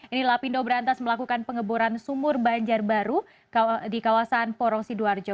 ini lapindo berantas melakukan pengeboran sumur banjarbaru di kawasan porong sidoarjo